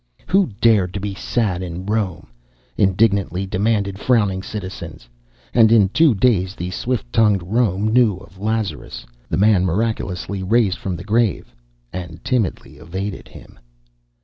Who dared to be sad in Rome? indignantly demanded frowning citizens; and in two days the swift tongued Rome knew of Lazarus, the man miraculously raised from the grave, and timidly evaded him.